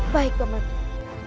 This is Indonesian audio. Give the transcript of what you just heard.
baik pak mandi